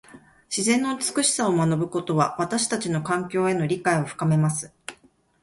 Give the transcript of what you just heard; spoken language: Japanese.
自然の美しさを学ぶことは、私たちの環境への理解を深めます。